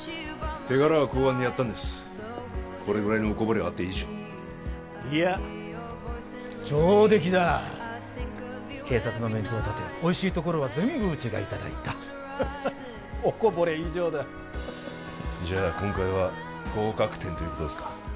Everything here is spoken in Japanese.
手柄は公安にやったんですこれぐらいのおこぼれはあっていいでしょういや上出来だ警察のメンツを立ておいしいところは全部うちがいただいたハハッおこぼれ以上だじゃあ今回は合格点ということですか？